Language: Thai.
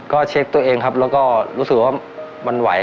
ก็เช็คตัวเองครับแล้วก็รู้สึกว่ามันไหว